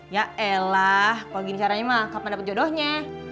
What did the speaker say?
ya elah kalau gini caranya mah kapan dapat jodohnya